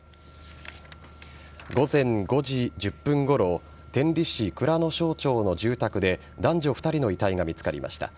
午前５時１０分ごろ天理市蔵之庄町の住宅で男女２人の遺体が見つかりました。